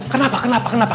kenapa kenapa kenapa